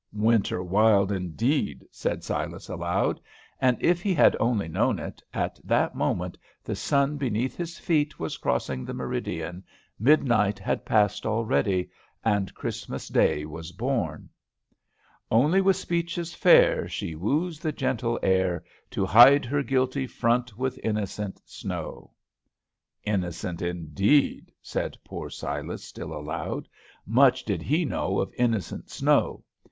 "Winter wild, indeed," said Silas aloud; and, if he had only known it, at that moment the sun beneath his feet was crossing the meridian, midnight had passed already, and Christmas day was born! "Only with speeches fair She wooes the gentle air To hide her guilty front with innocent snow." "Innocent, indeed," said poor Silas, still aloud, "much did he know of innocent snow!"